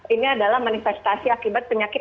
ini adalah manifestasi akibat penyakit